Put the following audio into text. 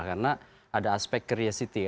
karena ada aspek curiosity